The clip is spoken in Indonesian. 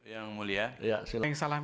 yang mulia silahkan